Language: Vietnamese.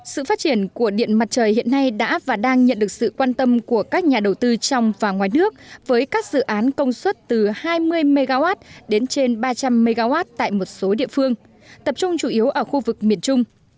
sự phát triển của điện mặt trời hiện nay đã và đang nhận được sự quan tâm của các nhà đầu tư trong và ngoài nước với các dự án công suất từ hai mươi mw đến trên ba trăm linh mw tại một số địa phương tập trung chủ yếu ở khu vực miền trung